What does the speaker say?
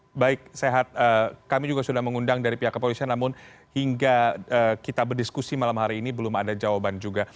oke baik sehat kami juga sudah mengundang dari pihak kepolisian namun hingga kita berdiskusi malam hari ini belum ada jawaban juga